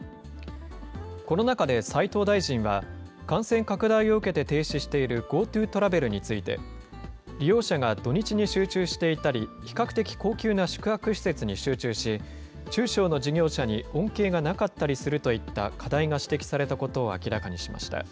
この中で斉藤大臣は、感染拡大を受けて停止しているＧｏＴｏトラベルについて、利用者が土日に集中していたり、比較的高級な宿泊施設に集中し、中小の事業者に恩恵がなかったりするといった課題が指摘されたことを明らかにしました。